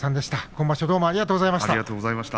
今場所もどうもありがとうございました。